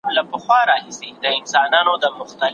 که ځوانان روزنه ترلاسه کړي نو ټولنه به پرمختګ وکړي.